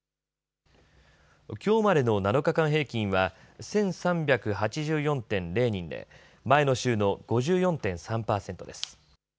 きょうまでの７日間平均は１３８４．０人で前の週の５４．３％です。